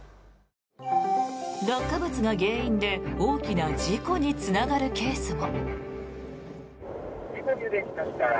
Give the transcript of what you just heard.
落下物が原因で大きな事故につながるケースも。